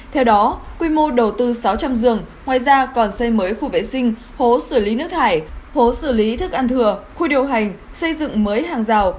theo đó quy mô đầu tư sáu trăm linh giường ngoài ra còn xây mới khu vệ sinh hố xử lý nước thải hố xử lý thức ăn thừa khu điều hành xây dựng mới hàng rào